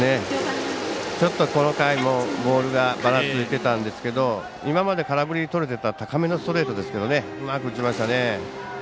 この回も、ボールがばらついてたんですけど今まで空振りにとれてた高めのストレートをうまく打ちましたね。